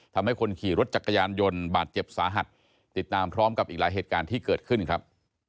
ทำให้คนขี่รถจักรยานยนต์บาดเจ็บสาหัสติดตามพร้อมกับอีกหลายเหตุการณ์ที่เกิดขึ้นครับ